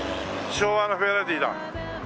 昭和のフェアレディだ。